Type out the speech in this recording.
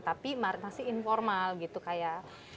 tapi masih informal gitu kayak